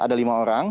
ada lima orang